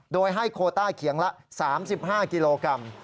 โดยให้โคต้าเขียงละ๓๕กิโลกรัม